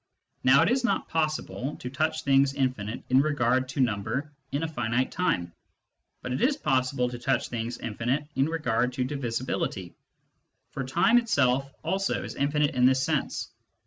Now it is not possible to touch things infinite in regard to number in a finite time, but it is possible to touch things infinite in regard to divisibility : for time itself also is infinite in this sense.